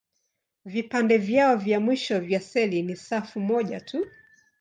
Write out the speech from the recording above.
Vipande vyao vya mwisho vya seli ni safu moja tu.